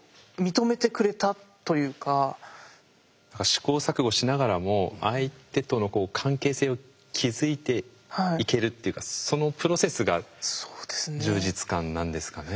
試行錯誤しながらも相手との関係性を築いていけるっていうかそのプロセスが充実感なんですかね。